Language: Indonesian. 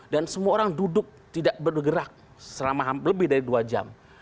dan semua orang duduk tidak bergerak selama lebih dari dua jam